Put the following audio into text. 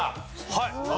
はい。